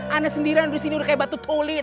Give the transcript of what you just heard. ana sendirian terus ini udah kayak batu tulis